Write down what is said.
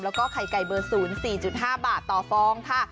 แล้วก็ไข่ไก่เบอร์๐๔๕บาทต่อฟองค่ะ